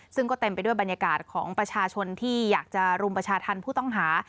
ซึ่งก็เต็มไปด้วยบรรยากาศของประชาชนที่อยากจะรุมประชาธรรมผู้ต้องหา